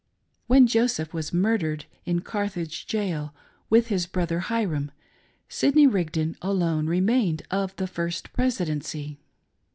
When Joseph was murdered in Carthage Jail, with his brother Hyrum, Sidney Rigdon alone remained of the First Presidency.